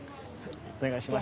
お願いします。